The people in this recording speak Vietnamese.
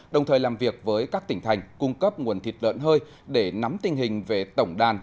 đồng thời làm việc với các tỉnh thành cung cấp nguồn thịt lợn hơi để nắm tình hình về tổng đàn